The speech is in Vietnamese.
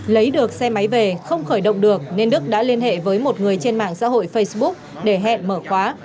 lấy được xe máy về không khởi động được nên đức đã liên hệ với một người trên mạng xã hội facebook để hẹn mở khóa